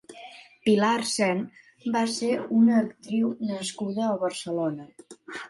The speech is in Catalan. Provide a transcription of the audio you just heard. Pilar Sen va ser una actriu nascuda a Barcelona.